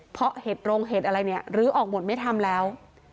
เพราะเห็ดโรงเห็ดอะไรเนี่ยลื้อออกหมดไม่ทำแล้ว